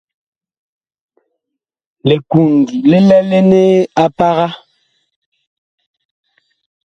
Likund li lɛlene a paga.